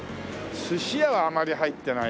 すし屋はあまり入ってないな。